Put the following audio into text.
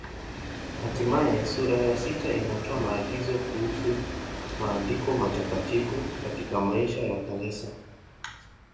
Hatimaye sura ya sita inatoa maagizo kuhusu Maandiko Matakatifu katika maisha ya Kanisa.